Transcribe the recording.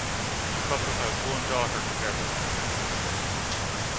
The couple has one daughter together.